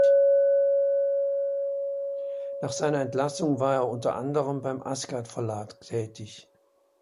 Nach seiner Entlassung war er unter anderem beim Ascard Verlag tätig.